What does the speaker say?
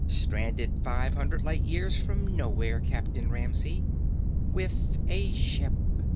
"Stranded five hundred light years from nowhere, Captain Ramsey. With a ship.